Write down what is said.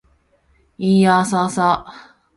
いーやーさーさ